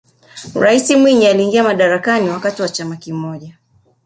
raisi mwinyi aliingia madarakani wakati wa chama kimoja